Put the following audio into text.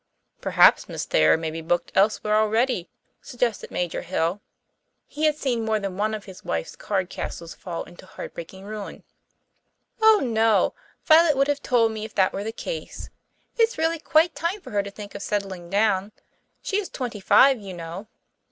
"Perhaps Miss Thayer may be booked elsewhere already," suggested Major Hill. He had seen more than one of his wife's card castles fall into heartbreaking ruin. "Oh, no; Violet would have told me if that were the case. It's really quite time for her to think of settling down. She is twenty five, you know.